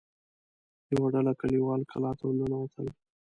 يوه ډله کليوال کلا ته ور ننوتل.